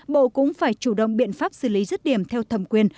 bộ cũng phải chủ động biện pháp xử lý rứt điểm theo thẩm quyền